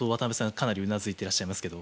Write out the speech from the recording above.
かなりうなずいてらっしゃいますけど。